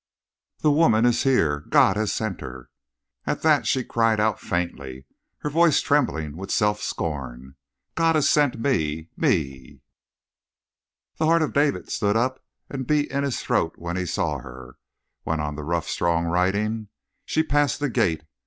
"The woman is here! God has sent her!" At that she cried out faintly, her voice trembling with self scorn: "God has sent me me!" "The heart of David stood up and beat in his throat when he saw her," went on the rough, strong writing. "She passed the gate.